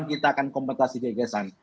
kita akan kompetasi gagasan